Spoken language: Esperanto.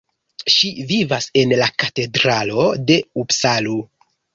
Ŝi vivas en la Katedralo de Upsalo.